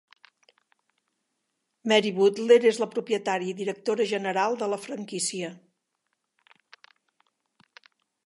Mary Butler és la propietària i directora general de la franquícia.